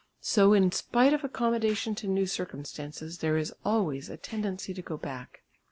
So in spite of accommodation to new circumstances there is always a tendency to go back.